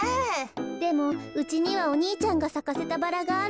でもうちにはお兄ちゃんがさかせたバラがあるのよね。